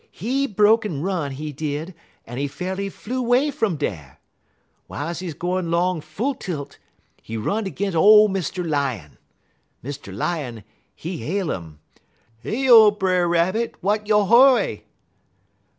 He broke en run, he did, en he fa'rly flew 'way fum dar. W'iles he gwine 'long full tilt, he run'd ag'in' ole Mr. Lion. Mr. Lion, he hail 'im: "'Heyo, Brer Rabbit! Wat yo' hurry?'